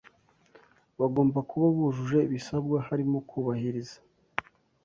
Bagomba kuba bujuje ibisabwa harimo kubahiriza